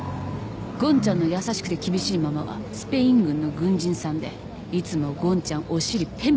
ゴンちゃんの優しくて厳しいママはスペイン軍の軍人さんでいつもゴンちゃんお尻ペンペンされてた。